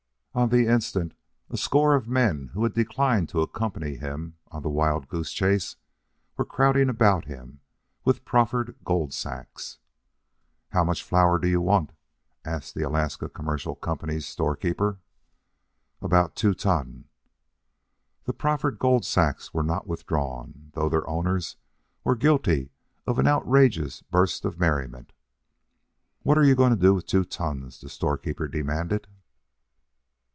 On the instant a score of the men who had declined to accompany him on the wild goose chase were crowding about him with proffered gold sacks. "How much flour do you want?" asked the Alaska Commercial Company's storekeeper. "About two ton." The proffered gold sacks were not withdrawn, though their owners were guilty of an outrageous burst of merriment. "What are you going to do with two tons?" the store keeper demanded.